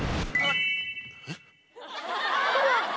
えっ？